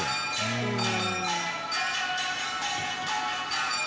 うん。